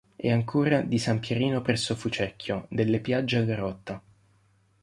E ancora di San Pierino presso Fucecchio, delle Piagge alla Rotta.